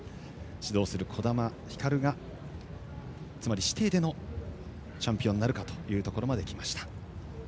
指導する児玉ひかるがつまり師弟でのチャンピオンになるかというところまできました。